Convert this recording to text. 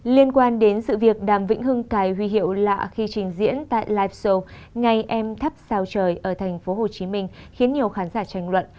liên quan đến sự việc đàm vĩnh hưng cài huy hiệu lạ khi trình diễn tại live show ngày em thắp sao trời ở tp hcm khiến nhiều khán giả tranh luận